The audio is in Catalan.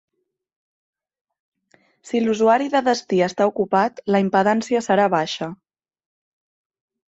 Si l'usuari de destí està ocupat, la impedància serà baixa.